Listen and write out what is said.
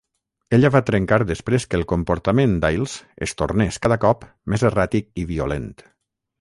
Ella va trencar després que el comportament d'Ails es tornés cada cop més erràtic i violent.